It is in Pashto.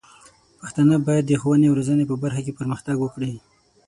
پښتانه بايد د ښوونې او روزنې په برخه کې پرمختګ وکړي.